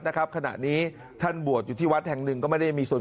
นะครับขณะนี้ท่านบวชอยู่ที่วัดแห่งหนึ่งก็ไม่ได้มีส่วน